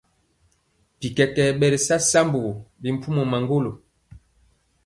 Bikɛkɛ ɓɛ ri sa sambugu bimpumɔ maŋgolo.